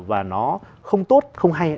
và nó không tốt không hay